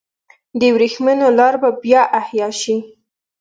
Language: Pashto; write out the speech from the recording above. د ورېښمو لار به بیا احیا شي؟